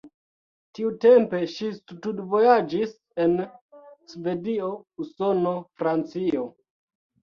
Tiutempe ŝi studvojaĝis en Svedio, Usono, Francio.